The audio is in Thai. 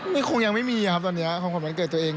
นี่คงยังไม่มีครับตอนนี้ของขวัญวันเกิดตัวเอง